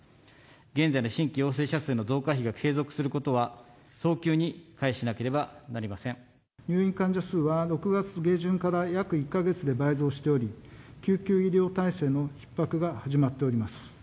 現在の新規陽性者の増加比を継続することは、早急に回避しなけれ入院患者数は６月下旬から約１か月で倍増しており、救急医療体制のひっ迫が始まっております。